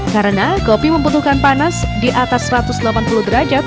karena kopi membutuhkan panas di atas satu ratus delapan puluh derajat